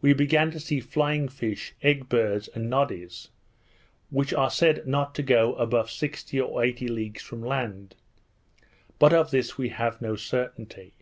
we began to see flying fish, egg birds, and nodies, which are said not to go above sixty or eighty leagues from land; but of this we have no certainty.